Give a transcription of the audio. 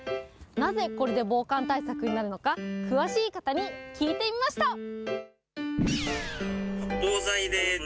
なぜこれで防寒対策になるのか、詳しい方に聞いてみました。